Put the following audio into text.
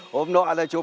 hôm nọ lấy chụp